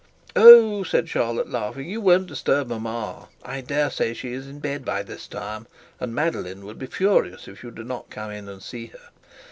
'Oh,' said Charlotte, laughing, 'you won't disturb mamma; I dare say she is in bed by this time, and Madeline would be furious if you do not come in and see her.